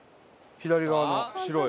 左側の白い。